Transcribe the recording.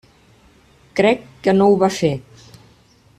Crec que no ho va fer.